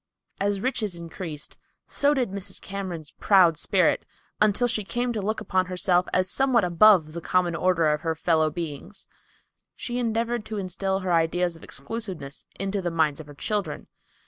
As riches increased, so did Mrs. Cameron's proud spirit, until she came to look upon herself as somewhat above the common order of her fellow beings. She endeavored to instil her ideas of exclusiveness into the minds of her children.